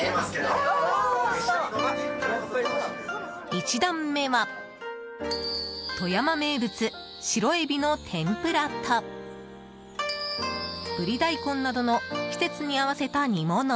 １段目は富山名物白エビの天ぷらとブリ大根などの季節に合わせた煮物。